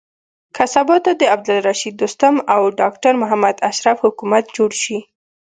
که سبا ته د عبدالرشيد دوستم او ډاکټر محمد اشرف حکومت جوړ شي.